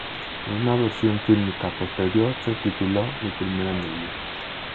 Una versión fílmica posterior se tituló "Mi primera novia".